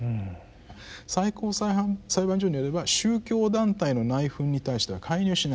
最高裁判所によれば宗教団体の内紛に対しては介入しない。